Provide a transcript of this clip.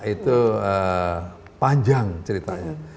itu panjang ceritanya